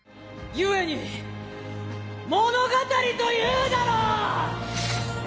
故に物語というだろう！